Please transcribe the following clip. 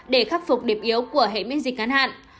để khắc phục điểm yếu của hệ miễn dịch ngắn hạn